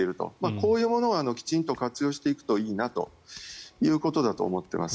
こういうものはきちんと活用していくといいなと思います。